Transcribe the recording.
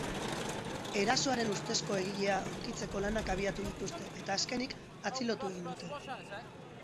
Erasoaren ustezko egilea aurkitzeko lanak abiatu dituzte eta azkenik, atxilotu egin dute.